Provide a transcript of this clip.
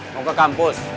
mau ke kampus